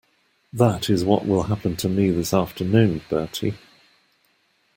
That is what will happen to me this afternoon, Bertie.